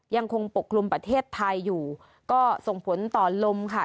ยังคงปกคลุมประเทศไทยอยู่ก็ส่งผลต่อลมค่ะ